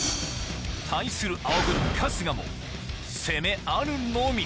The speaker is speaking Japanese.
対する青軍・春日も攻めあるのみ